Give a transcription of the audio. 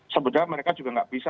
sebenarnya mereka juga nggak bisa